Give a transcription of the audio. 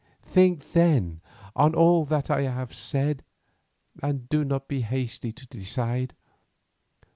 Think then on all that I have said, and do not be hasty to decide.